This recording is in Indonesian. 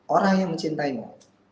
orang yang mencintai mu